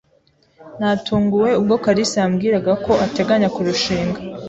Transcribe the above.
Natunguwe ubwo kalisa yambwiraga ko ateganya kurushinga.